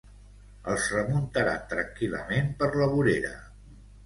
Els remuntaran tranquil·lament per la vorera.